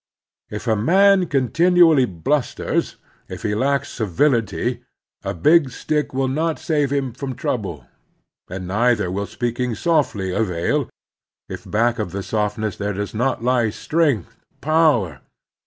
If a man continually blusters, if he lacks civility, a big stick will not save him from trouble; and z8 274 The Strenuous Life neither will speaking softly avail, if back of the softness there does not lie strength, power.